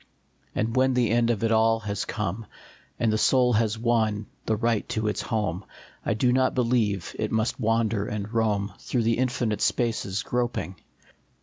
And when the end of it all has come, And the soul has won the right to its home, I do not believe it must wander and roam Through the infinite spaces groping.